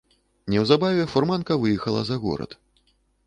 Неўзабаве фурманка выехала за горад.